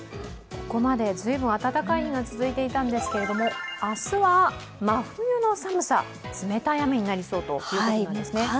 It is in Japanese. ここまでずいぶん暖かい日が続いていたんですけど明日は真冬の寒さ、冷たい雨になりそうということなんですね。